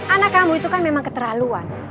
anak kamu itu kan memang keterlaluan